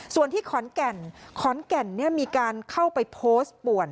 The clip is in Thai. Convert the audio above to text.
ส่วนที่ขอนแก่นขอนแก่นมีการเข้าไปโพสต์ป่วน